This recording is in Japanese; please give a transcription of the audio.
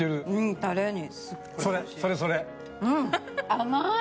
甘い！